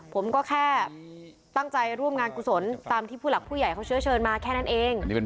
ผมก็แค่ตั้งใจร่วมงานกุศลตามที่ผู้หลักผู้ใหญ่เขาเชื้อเชิญมาแค่นั้นเอง